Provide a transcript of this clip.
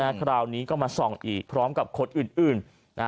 คราวนี้ก็มาส่องอีกพร้อมกับคนอื่น